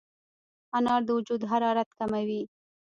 انار د وجود حرارت کموي.